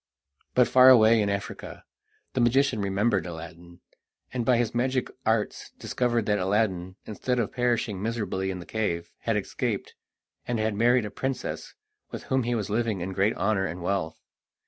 But far away in Africa the magician remembered Aladdin, and by his magic arts discovered that Aladdin, instead of perishing miserably in the cave, had escaped, and had married a princess, with whom he was living in great honour and wealth.